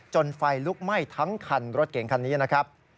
ไฟลุกไหม้ทั้งคันรถเก่งคันนี้นะครับ